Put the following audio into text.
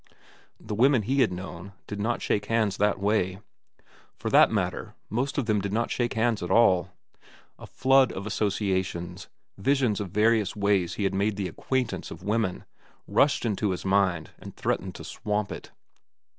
The women he had known did not shake hands that way. For that matter, most of them did not shake hands at all. A flood of associations, visions of various ways he had made the acquaintance of women, rushed into his mind and threatened to swamp it.